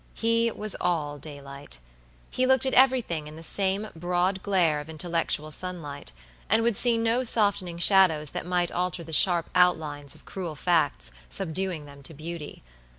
He was all daylight. He looked at everything in the same broad glare of intellectual sunlight, and would see no softening shadows that might alter the sharp outlines of cruel facts, subduing them to beauty.